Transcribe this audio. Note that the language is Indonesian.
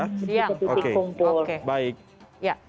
habis zuhur ya berarti ya